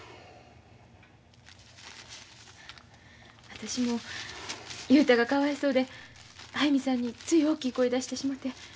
私も雄太がかわいそうで速水さんについ大きい声出してしもて。